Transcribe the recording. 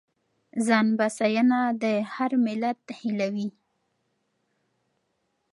ځانبسیاینه د هر ملت هیله وي.